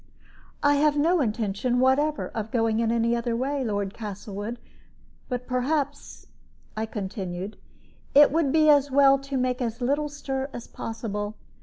"I have no intention whatever of going in any other way, Lord Castlewood; but perhaps," I continued, "it would be as well to make as little stir as possible.